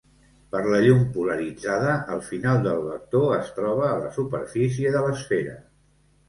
Per la llum polaritzada, el final del vector es troba a la superfície de l'esfera.